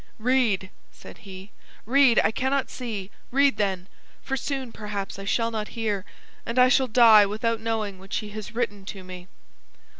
"Read!" said he, "read! I cannot see. Read, then! For soon, perhaps, I shall not hear, and I shall die without knowing what she has written to me."